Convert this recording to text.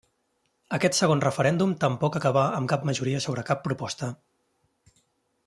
Aquest segon referèndum tampoc acabà amb cap majoria sobre cap proposta.